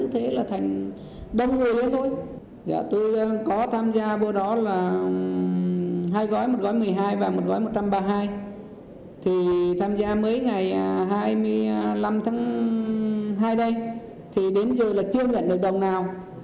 thì tham gia mới ngày hai mươi năm tháng hai đây thì đến giờ là chưa nhận được đồng nào